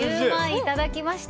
いただきました。